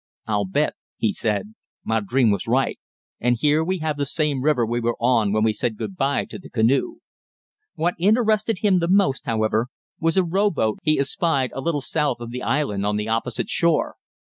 "I'll bet," he said, "my dream was right, and here we have the same river we were on when we said good bye to the canoe." What interested him the most, however, was a row boat he espied a little south of the island on the opposite shore.